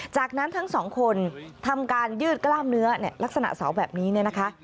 จากนั้นทั้งสองคนทำการยืดกล้ามเนื้อลักษณะเสาแบบนี้เนี่ยนะคะ